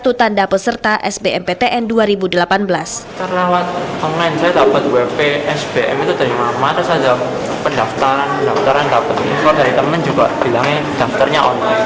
id sama yang dimasukin semua sama